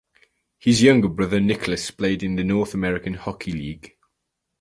His younger brother Nicholas played in the North American Hockey League.